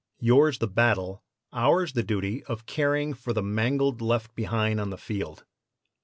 Yours the battle, ours the duty of caring for the mangled left behind on the field.